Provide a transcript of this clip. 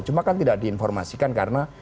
cuma kan tidak diinformasikan karena